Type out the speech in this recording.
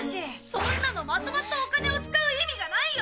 そんなのまとまったお金を使う意味がないよ！